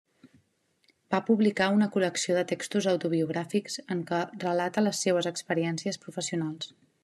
Va publicar una col·lecció de textos autobiogràfics en què relata les seues experiències professionals.